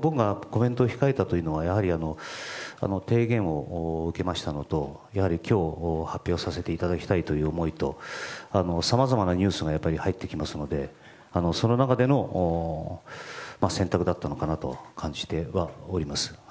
僕がコメントを控えたというのは提言を受けましたのとやはり今日発表させていただきたいという思いとさまざまなニュースが入ってきますのでその中での選択だったのかなと感じてはおります。